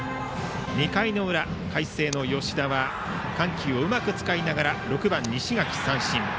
２回の裏、海星の吉田は緩急をうまく使いながら６番、西垣を三振。